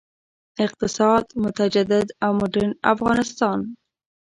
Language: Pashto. اقتصاد، متجدد او مډرن افغانستان.